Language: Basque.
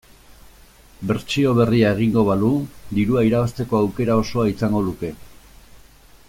Bertsio berria egingo balu dirua irabazteko aukera osoa izango luke.